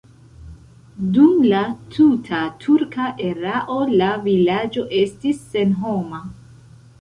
Dum la tuta turka erao la vilaĝo estis senhoma.